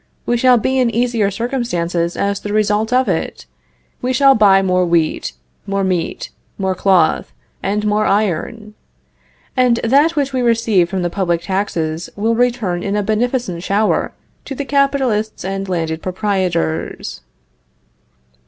We shall be in easier circumstances as the result of it; we shall buy more wheat, more meat, more cloth, and more iron; and that which we receive from the public taxes will return in a beneficent shower to the capitalists and landed proprietors."